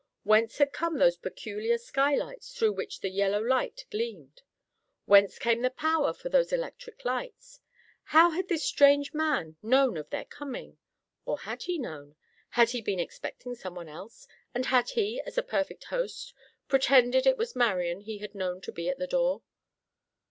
Whence had come those peculiar skylights through which the yellow light gleamed? Whence came the power for those electric lights? How had this strange man known of their coming? Or had he known? Had he been expecting someone else and had he, as a perfect host, pretended it was Marian he had known to be at the door?